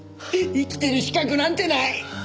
生きてる資格なんてない！